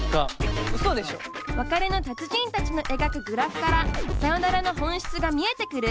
別れの達人たちの描くグラフからさよならの本質が見えてくる？